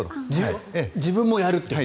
自分もやると。